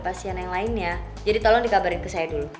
pasien yang lainnya jadi tolong dikabarin ke saya dulu